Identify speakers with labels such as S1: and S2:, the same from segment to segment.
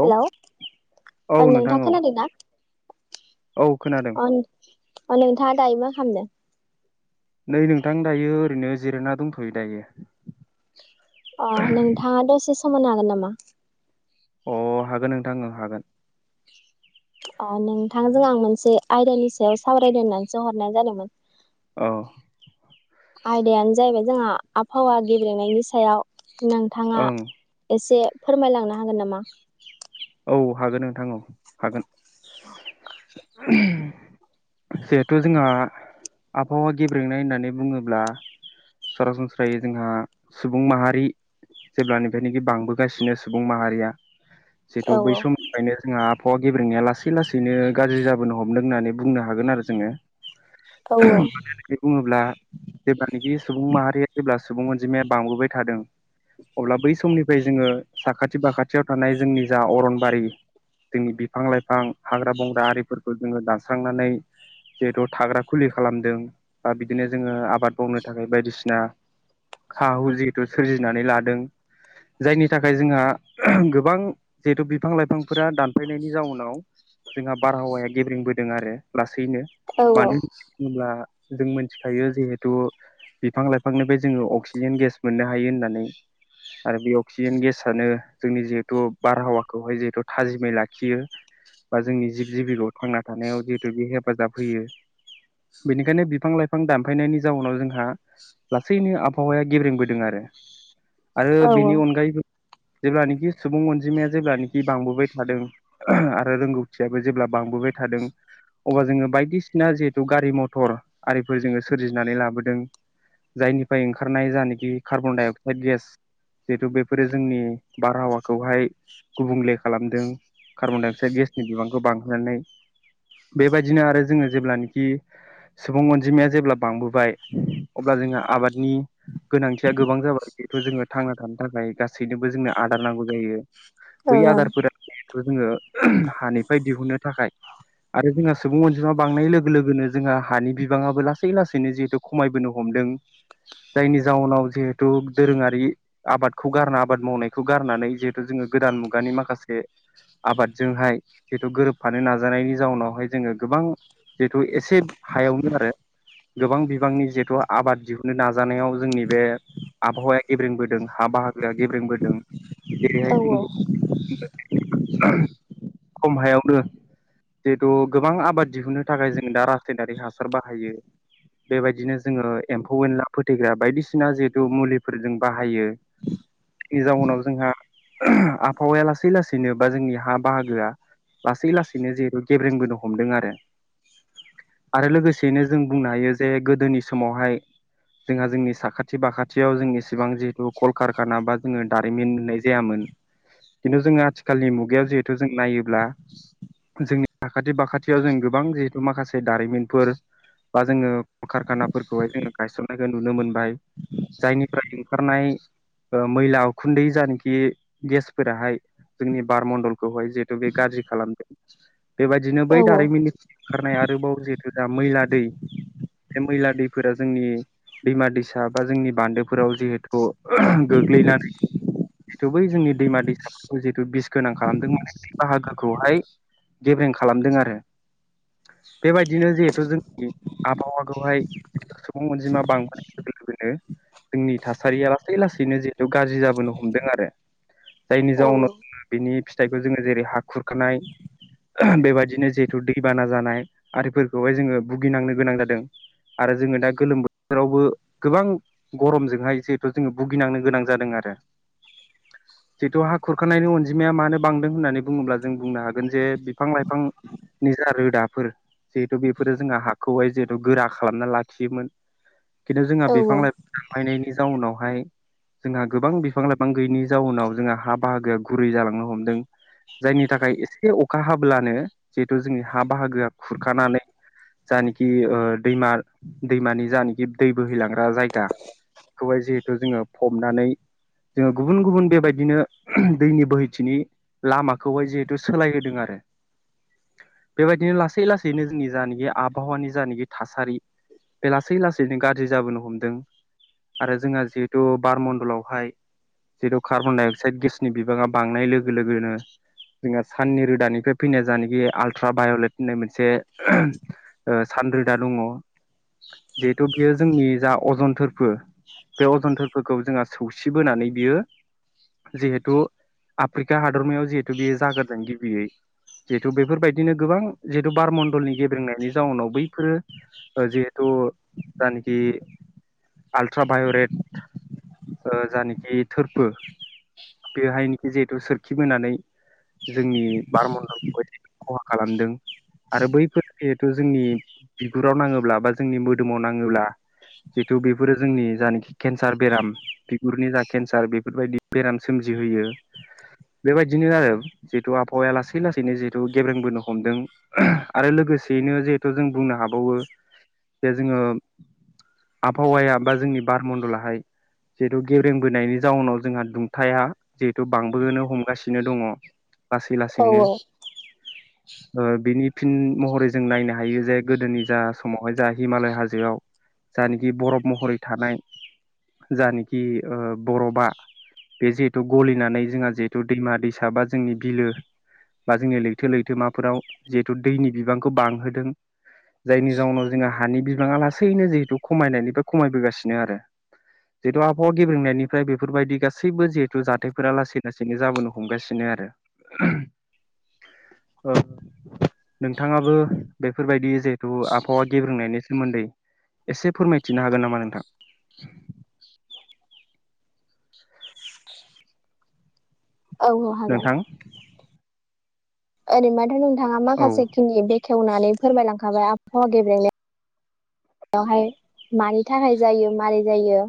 S1: Hello
S2: औ
S1: ओ
S2: नोंथां
S1: नोंथाङा
S2: औ
S1: खोनादोंना।
S2: औ खोनादों।
S1: ओन अ नोंथाङा दायो मा खामदों।
S2: नै नोंथां दायो ओरैनो जिरायना दंथ'यो दायो।
S1: अ नोंथाङा दसे सम होनो हागोन नामा।
S2: अ हागोन नोंथां हागोन।
S1: अ नोंथांजों आं मोनसे आयदानि सायाव सावरायनो होननानैसो हरनाय जादोंमोन।
S2: ओह।
S1: आयदायानो जाहैबाय जोंहा आबहावा गेब्लेनायनि सायाव नों। थाङा
S2: ओं
S1: एसे फोरमायलांनो हागोन नामा।
S2: औ हागोन नोंथां औ हागोन।
S1: [unintelligible]
S2: जिहेथु जोंहा आबहावा गेब्रेंनाय होननानै बुङोब्ला। सरासनस्रायै जोंहा सुबुं माहारि। जेब्लानिफ्रायनोखि बांबोगासिनो सुबुं माहारिया
S1: औ
S2: जिहेतु बै सम। ओंनो जोंहा आबहावा गेब्रेंनाया लासै लासैनो गाज्रि जाबोनो हमदों होननानै बुंनो हागोन आरो जोङो।
S1: औ
S2: ओहम माने नै। बे बुङोब्ला जेब्लानिखि सुबुं माहारि जेब्ला सुबुं अनजिमाया बांबोबाय थादों। अब्ला बै समनिफ्राय जोङो साखाथि बाखाथियाव थानाय जोंनि। जा अरनबारि जोंनि बिफां-लाइफां, हाग्रा-बंग्रा आरिफोरबो। जोङो दानस्रांनानै। जिहेथु थाग्रा खुलि खालामदों बा बिदिनो जोङो आबाद मावनो थाखाय बायदिसिना। हाव जिहेथु सोरजिनानै लादों जायनि थाखाय जोंहा ओहोम गोबां। जिहेथु बिफां-लाइफांफोरा दानफायनायनि जाउनाव। जोंहा बारहावाया गेब्रेंबोदों आरो लासैनो
S1: औ
S2: मानो। होनब्ला जों मिथिखायो जिहेथु। बिफां-लाइफांनिफ्राय जोङो अक्सिजेन गेस मोननो हायो होननानै। आरो बे अक्सिजेन गेसनो जोंनि जिहेथु बारहावाखौहाय जिहेथु थाजिमै लाखियो बा जोंनि जिब जिबिखौ थांना थानायाव जिहेतु बे हेफाजाब होयो बेनिखायनो बिफां लाइफां दानफायनायनि जाउनाव जोंहा लासैनो आबहावाया गेब्रेंबोदों आरो आरो बेनि
S1: औ
S2: अनगायैबो जेब्लानाखि सुबुं अन अनजिमाया जेब्लानोखि बांबोबाय थादों आरो रोंगौथियाबो जेब्ला बांबोबाय थादों अब्ला जोङो बायदिसिना जिहेथु गारि मथर आरिफोर जोङो सोरजिनानै लाबोदों जायनिफ्राय ओंखारनाय जानखि कार्बन डाइ अक्साइद गेस जिहेतु बेफोरो जोंनि बारहावाखौहाय गुबुंले खालामदों कार्बन डाइ अक्साइड गेसनि बिबांखौ बांहोनानै बेबायदिनो आरो जोङो जेब्लानोाखि सुबुं अनजिमाया जेब्ला बांबोबाय अब्ला जोङो आबादनि गोनांथिया गोबां जाबाय जेहुथु जोङो थांना थानो थाखाय गासैनोबो जोंनो आदार नांगौ जायो
S1: औ
S2: बै
S1: ओं
S2: आदारफोरा जिहेथु जोङो हानिफ्राय दिहुनो थाखाय आरो जोंहा सुबुं अनजिमा बांनाय लोगो लोगोनो जोंहा हानि बिबाङाबो लासै लासैनो जिहेथु खमायबोनो हमदों जायनि जाउनाव जिहेथु दोरोङारि आबादखौ गारना आबाद मावनायखौ गारनानै जे जोङो गोदान मुगानि माखासे आबादजोंहाय जिहेथु गोरोबफानो नाजानायनि जाउनावहाय जोङो गोबां जिहेथु एसे हायावनो आरो गोबां बिबांनि जिहेथु आबाद दिहुननो नाजानायाव जोंनि बे आबहावाया गेब्रेंबोदों हा बाहागोआ गेब्रेंबोदों
S1: औ
S2: जेरैहाय [unintelligible] खम हायावनो जिहेथु गोबां आबाद दिहुननो थाखाय जों दा रासायनारि हासार बाहायो बेबायदिनो जोङो एम्फौ एनला फोथैग्रा बायदिसिना जिहेथु मुलिफोरजों बाहायो जाउनाव जोंहा आबहावाया लासै लासैनो बा जोंनि हा बाहागोआ लासै लासैनो जहेथु गेब्रेंबोनो हमदों आरो आरो लोगोसेयैनो जों बुंनो हायो जे गोदोनि समावहाय जोंहा जोंनि साखाथि बाखाथियाव जोंनि सिसेबां जिहेतु कलकारखाना बा जोङो दारिमिन होननाय जायामोन खिन्थु जोङो आथिखालनि मुगायाव जिहेथु जों नायोब्ला जोंनि साखाथि बाखाथियाव जों गोबां जिहेथु माखासे दारिमिनफोर बा जोङो कारखानाफोरखौहाय जोङो गायसननायखौ नुनो मोनबाय जायनिफ्राय ओंखारनाय ओ मैला उखुन्दै जानाखि कि गेसफोराहाय जोंनि बार मणडलखौहाय जिहेतु बे गाज्रि खालामदों बेबायदिनो बै
S1: औ
S2: दारिमिननि खारनाय आरोबाव जिहेथु दा मैला दै बे मैला दैफोरा जोंनि दैमा दैसा बा जोंनि बान्दोफोराव जिहेथु गोग्लैनानै जिथु बै जोंनि दैमा दैसाफोरखौ जिथु बिस गोनां खालामदों माने बे बाहागोखौहाय गेब्रें खालामदों आरो बेबायदिनो जिहेथु जोंनि आबहावाखौहाय सुबुं अनजिमा बांबोनाय लोगो लोगोनो जोंनि थासारिया लासै लासैनो जिहेतु गाज्रि जाबो हमदों आरो जायनि जाउनाव बिनि फिथाइखौ जोङो जेरै हा खुरखानाय बेबायदिनो जिहेथु दैबाना जानाय आरिफोरखौहाय जोङो भुगिनांनो गोनां जादों आरो जोङो दा गोलोम बोथोरावबो गोबां गरमजोंहाय जिहेथु जोङो भुगिनांनो गोनां जादों आरो
S1: [inaudible]
S2: जिेथु हा खुरखानायनि अनजिमाया मानो बांदों होननानै बुङोब्ला जों बुंनो हागोन जे बिफां लाइफां निजा रोदाफोर जिहेथु बेफोरो जोंहा हाखौहाय जिहेथु गोरा खालामना लाखियोमोन खिन्थु जोंहा बिफां
S1: औ
S2: लाइफां बायनायनि जाउनावहाय जोंहा गोबां बिफां लाइफां बिफां गैयै जा जाउनाव जोंहा बाहागोआ गुरै जालांनो हमदों जायनि थाखाय एसे अखा हाब्लानो जिहेथु जोंनि हा बाहागोआ खुरखानानै जानाखि ओ दैमा दैमानि जानाखि दै बोहैलांग्रा जायगा खौहाय जिहेथु जोङो फबनानै जोङो गुबुन गुबुन बेबायदिनो ओ दैनि बोहैथिनि लामाखौहाय जिहेथु सोलायहोदों आरो बेबायदिनो लासै लासैनो जोंनि जानाखि आबहावानि जानाखि थासारि बे लासै लासैनो गाज्रि जाबोनो हमदों आरो जोंहा जिहेथु बारमणडलावहाय जिहेथु कार्बन डाइ अक्साइड गेसनि बिबाङा बांनाय लोगो लोगोनो जोंहा साननि रोदानिफ्राय फैनाय जानाखि आल्ट्राभायलेट होननाय मोनसे सान रोदा दङ। जिहेथु बेयो जोंनि जा अजनथोरबो बे अजनथोरफोरखौ जोंहा सौसि सि बोनानै बियो जिहेतु आफ्रिका हादरमायाव जिहेथु बेयो जाग्रोदों गिबियै जिहेथु बेफोरबायदिनो गोबां जिहेतु बारमण्डलनि गेब्रेंनायनि जाउनाव बैफोरो जिहेथु जानिखि आलट्राभायरेट जानिखि थोरफो बेहायनोखि जिहेतु सोरखिबोनानै जोंनि बारमणडलखौ एसे खहा खालामदों। आरो बैफोर जिहेथु जोंनि बिगुराव नाङोब्ला बा जोंनि मोदोमाव नाङोब्ला जिहेथु बेफोरो जोंनि जानाखि केन्सार बेराम गुरनि जा केन्सार बेफोरबायदि बेराम सोमजिहोयो बेबायदिनो आरो। जिहेथु आबहावाया लासै लासैनो जिहेतु गेब्रेंबोनो हमदों। आरो लोगोसेयैनो जिहेथु जों बुंनो हाबावो जे जोङो आबहावाया बा जोंनि बारमण्डलाहाय जिहेथु गेबेंबोनायनि जाउनाव जोंहा दुंथाया जिहेथु बांबोनो हमगासिनो दङ। लासै
S1: औ
S2: लासैनो।
S1: [inaudible]
S2: बिनि फिन महरै जों नायनो हायो जे गोदोनि जा समावहाय जा हिमालय हाजोआव जानोखि बरफ महरै थानाय जानोखि ओ बरफा बे जिहेतु गलिनानै जोंहा जिहेथु दैमा दैसा बा जोंनि बिलो बा जोंनि लैथो लैथो माफोराव जिहेथु दैनि बिबांखौ बांहोदों। जायनि जाउनाव जोंङो हानि बिबाङा लासैनो जिहेथु खमायनायनिफ्राय खमायबोगासिनो आरो। जेथु आब हावा गेब्रंनायनिफ्राय बेफोरबायदि गासैबो जिहेथु जाथायफोरा लासै लासैनो जाबोनो हमगासिनो आरो। ओ औ। नोंथाङाबो बेफोरबायदि जिहेथु आबहावा गेब्रोंनायनि सोमोन्दै एसे फोरमायथिनो हागोन नामा नोंथां?
S1: औ औ हागोन।
S2: नोंथां
S1: ओरैनोबाथ' नोंथाङा
S2: औ
S1: माखासे खिनि बेखेवनानै फोरमायलांखाबाय आबहावा गेब्रेंनाय वहाय मानि थाखाय जायो मारै जायो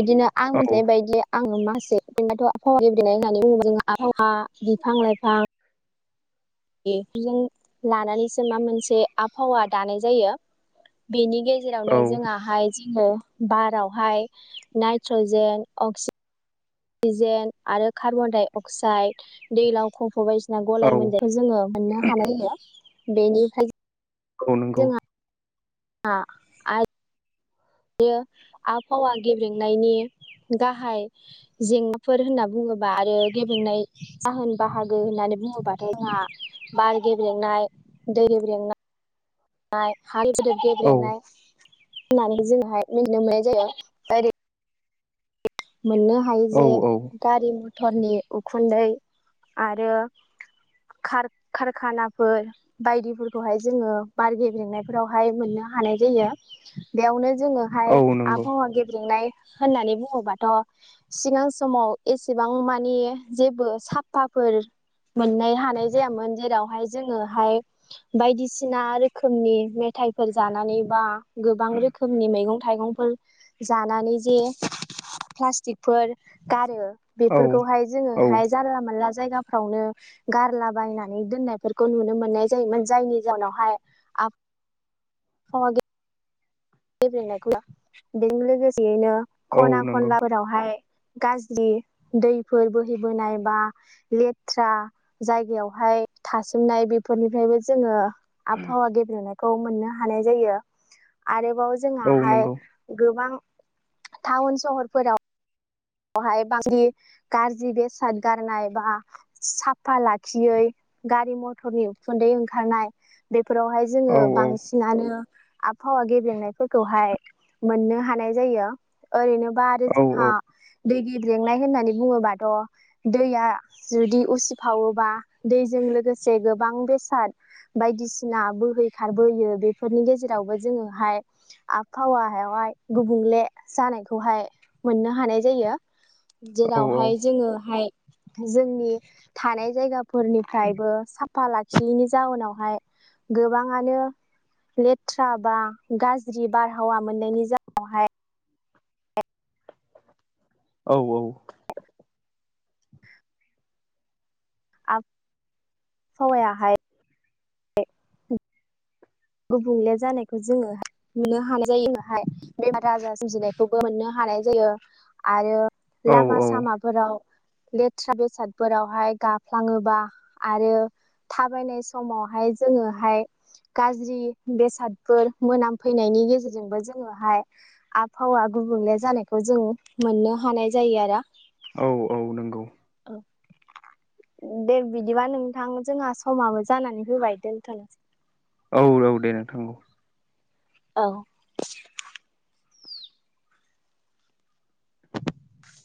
S1: बिदिनो आं
S2: औ
S1: मिथिनाय बायदि आङो माखासे आबहावा गेब्रेंनाय होननानै बुङोब्ला जों आबहावा बिफां लाइफां बेजों लानानैसो माबा मोनसे आबहावा दानाय जायो बेनि गेजेर जेरावनो
S2: औ
S1: जोंहाय जोङो बारावहाय नाइट्रजेन अक्सिजेन अक्सिजेन आरो कार्बन डाइ अक्साइड दैलाव खफ'बाय बादि गलाय
S2: औ
S1: मोन्देरखौ जोङो मोननो हानाया जायो। बेनिफ्राय
S2: औ नंगौ।
S1: आ बेयो आबहावा गेब्रेंनायनि गाहाय जेंनाफोर होनना बुंङोब्ला आरो गेबेंनाय जाहोन बाहागो होननानै बुंङोबाथाय जोंहा बार गेब्रेंनाय दै गेब्रेंनाय हाय गिदिर
S2: औ
S1: गेब्रेनाय होननानै जोंहाय मिथिनो मोननाय जायो [unintelligible] मोननो हायो
S2: औ
S1: जे
S2: औ
S1: गारि मथरनि उखुन्दै आरो खार खारखानाफोर बायदिफोरखौहाय जोंङो बार गेब्लेंनायफोरावहाय मोननो हानाय जायो। बेयावनो जोंङोहाय
S2: औ नंगौ
S1: आबहावा गेब्लेंनाय होननानै बुंङोबा थ' सिगां समाव एसेबां मानि जेबो साफाफोर मोननो हानाय जायामोन जेरावहाय जोङोहाय बायदिसिना रोखोमनि मेथायाइफोर जानानै बा गोबां रोखोमनि मैगं थाइगंफोर जानानै जे प्लास्टिकफोर गारो
S2: औ
S1: बेफोरखौहाय
S2: औ
S1: जोङोहाय जानला मोनला जायगाफ्रावनो गारलाबायनानै दोननायफोरखौ नुनो मोननाय जायोमोन। जायनि जाउनावहाय अह दे गोजोननायखौ बेजों लोगोसेयैनो
S2: औ
S1: ख'ना
S2: नंगौ
S1: खनलाफोराव बहाय गाज्रि दैफोर बोहैबोनाय बा लेथ्रा जायगायावहाय थासोमनाय बेफोरनिफ्रायबो जोंङो आबहावा गेब्रेनायखौ मोननो हानाय जायो आरोबाव
S2: औ
S1: जोंहाहाय
S2: नंगौ
S1: गोबां टाउन सहरफोराव बहाय बांसिन गाज्रि बेसाद गारनाय बा साफा लाखियै गारि मथरनि उखुन्दै ओंखारनाय बेफोरावहाय जोंङो
S2: औ औ
S1: बांसिनानो आबहावा गेबेंनायफोरखौहाय मोननो हानाय जायो ओरैनोबा आरो
S2: औ औ
S1: जोंहा दै गिद लेंनाय होननानै बुंङोबाथ' दैया जुदि उसिफावोबा दैजों लोगोसे गोबां बेसाद बायदिसिना बोहैखारबोयो बेफोरनि गेजेरावबो जोंङोहाय आबहावायावहाय गुबुंले जानायखौहाय मोननो हानाय जायो।
S2: औ
S1: जेरावहाय जोंङोहाय जोंनि थानाय जायगा फोरनिफ्रायबो साफा लाखियैनि जाउनावहाय गोबांङानो लेथ्रा बा गाज्रि बारहावा मोननायनि जाहोनावहाय
S2: औ औ
S1: आब हावायाहाय द [unintelligible] गुबुंले जानायखौ जोंङो मोननो हानाय जायो बेहाय बेमार आजार सोरोमजिनायखौबो मोननो हानाय जायो आरो
S2: औ
S1: लामा सामा फोराव लेथ्रा बेसादफोरावहाय गाफ्लांङोबा आरो थाबायनाय समावहाय जोंङोहाय गाज्रि बेसादफोर मोनामफैनायनि गेजेरजोंबो जोंङोहाय आबहावा गुबुंले जानायखौ जों मोननो हानाय जायो आरो।
S2: औ औ नंगौ
S1: औ दे बिदिबा नोंथां जोंहा समाबो जानानै फोबाय दोन्थ'नोसै
S2: औ औ दे नोंथां औ
S1: औ
S2: [inaudible]